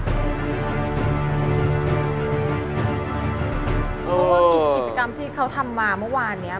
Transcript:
เพราะว่ากิจกรรมที่เขาทำมาเมื่อวานนี้